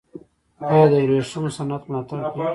آیا د ورېښمو صنعت ملاتړ کیږي؟